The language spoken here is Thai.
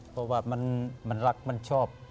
เพราะว่ามันรักมันชอบ